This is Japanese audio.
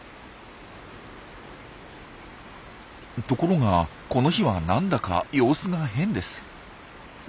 ところがこの日はなんだか様子が変です。